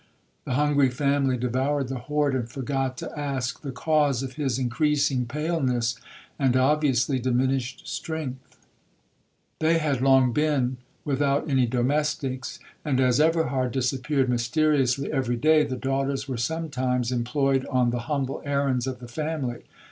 The hungry family devoured the hoard, and forgot to ask the cause of his increasing paleness, and obviously diminished strength. 'They had long been without any domestics, and as Everhard disappeared mysteriously every day, the daughters were sometimes employed on the humble errands of the family.